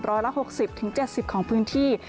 รอยละหกสิบถึงเจ็ดสิบของพื้นที่